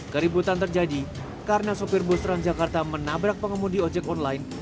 keributan terjadi karena sopir bus transjakarta menabrak pengemudi ojek online